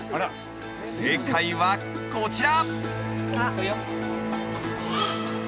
正解はこちら！